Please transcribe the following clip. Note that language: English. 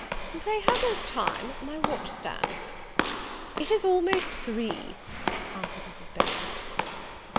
Pray how goes time? my watch stands." "It is almost three," answered Mrs. Beaumont.